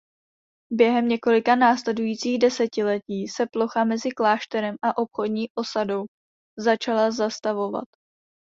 Během několika následujících desetiletí se plocha mezi klášterem a obchodní osadou začala zastavovat.